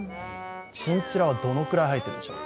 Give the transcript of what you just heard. チンチラはどのくらい生えてるでしょう？